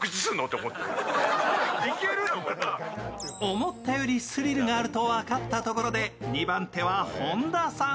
思ったよりスリルがあると分かったところで２番手は本田さん。